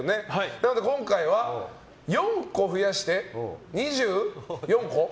なので今回は、４個増やして２４個？